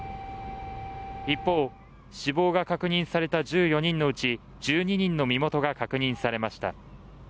一方、死亡が確認された１４人のうち１２人の身元が確認されました。